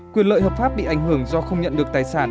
quyền lợi hợp pháp bị ảnh hưởng do không nhận được tài sản